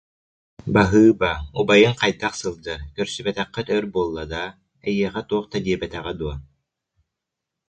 Баһыыба, убайыҥ хайдах сылдьар, көрсүбэтэххит өр буолла даа, эйиэхэ туох да диэбэтэҕэ дуо